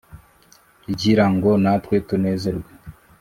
igira ngo natwe tunezerwe